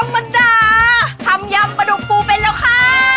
ธรรมดาทำยำปลาดุกปูไปแล้วค่ะ